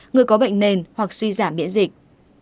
người có bệnh nền hoặc suy giảm miễn dịch